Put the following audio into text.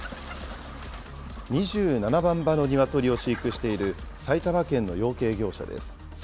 ２７万羽のニワトリを飼育している埼玉県の養鶏業者です。